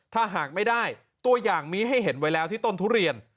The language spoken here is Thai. ถ้าหากไม่ได้ตัวอย่างนี้ให้เห็นไว้แล้วที่ต้นทุเรียน